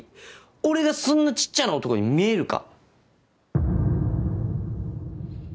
俺がそんな小っちゃな男に見えるか？